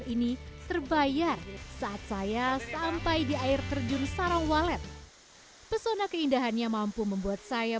ini terbayar saat saya sampai di air terjun sarawalet pesona keindahannya mampu membuat saya